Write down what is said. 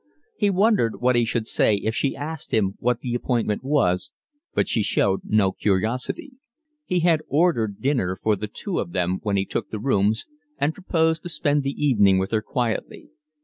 He wondered what he should say if she asked him what the appointment was, but she showed no curiosity. He had ordered dinner for the two of them when he took the rooms, and proposed to spend the evening with her quietly.